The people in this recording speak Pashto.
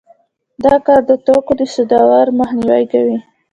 دا کار د توکو د صدور مخنیوی کوي